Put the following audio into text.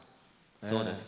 そうですか。